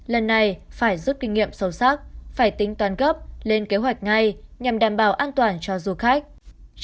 lần này phải rút kinh nghiệm sâu sắc phải tính toán gấp lên kế hoạch ngay nhằm đảm bảo an toàn cho du khách